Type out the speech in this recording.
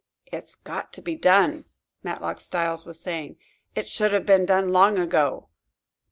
"It's got to be done!" Matlock Styles was saying. "It should have been done long ago."